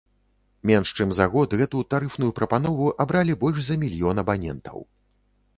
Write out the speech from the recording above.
Менш чым за год гэту тарыфную прапанову абралі больш за мільён абанентаў.